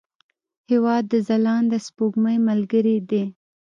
هېواد د ځلانده سپوږمۍ ملګری دی.